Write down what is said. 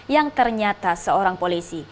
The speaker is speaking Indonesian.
yang ternyata seorang polisi